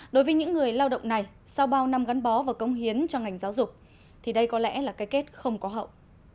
đối với những người lao động này sau bao năm gắn bó và công hiến cho ngành giáo dục thì đây có lẽ là cái kết không có hậu